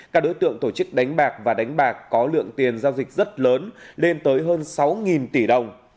các đối tượng tổ chức đánh bạc và đánh bạc có lượng tiền giao dịch rất lớn lên tới hơn sáu tỷ đồng